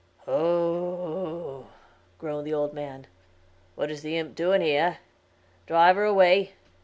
"Oh, oh," groaned the old man, "what is the imp doing here? Drive her away.